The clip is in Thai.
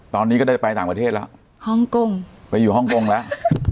ตอนนี้ก็ได้ไปต่างประเทศแล้วฮ่องกงไปอยู่ฮ่องกงแล้ว